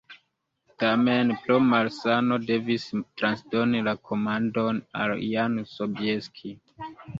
Tamen pro malsano devis transdoni la komandon al Jan Sobieski.